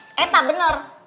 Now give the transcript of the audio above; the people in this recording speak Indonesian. hmm eh tak bener